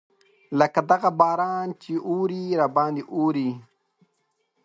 لکه دغه باران چې اوري راباندې اوري.